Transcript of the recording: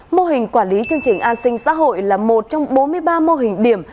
mô hình quản lý chương trình an sinh xã hội là một trong bốn mươi ba mô hình điểm